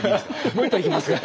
もう一杯いきますか。